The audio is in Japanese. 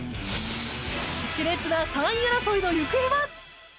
熾烈な３位争いの行方は？